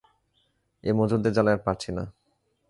এই মজুরদের জ্বালায় আর পারছি না।